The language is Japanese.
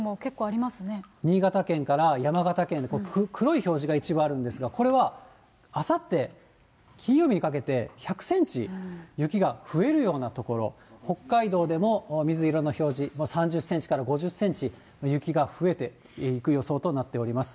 新潟県から山形県、黒い表示が一部あるんですが、これはあさって金曜日にかけて１００センチ、雪が増えるような所、北海道でも水色の表示、３０センチから５０センチ、雪が増えていく予想となっています。